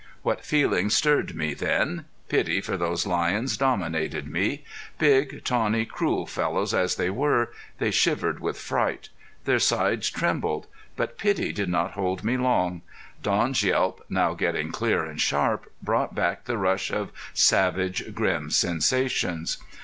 What feelings stirred me then! Pity for those lions dominated me. Big, tawny, cruel fellows as they were, they shivered with fright. Their sides trembled. But pity did not hold me long; Don's yelp, now getting clear and sharp, brought back the rush of savage, grim sensations.